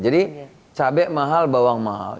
jadi cabai mahal bawang mahal